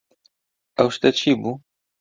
ئەو شتە چی بوو؟